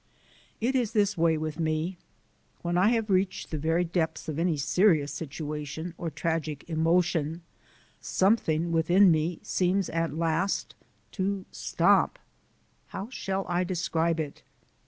It is this way with me. When I have reached the very depths of any serious situation or tragic emotion, something within me seems at last to stop how shall I describe it?